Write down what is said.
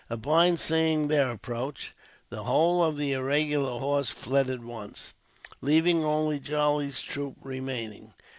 Upon seeing their approach, the whole of the irregular horse fled at once, leaving only Charlie's troop remaining.